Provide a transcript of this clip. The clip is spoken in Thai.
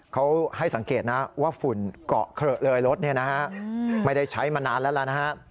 เขาให้สังเกตนะว่าฝุ่นเกาะเขละเลยรถไม่ได้ใช้มานานแล้วแล้วนะฮะ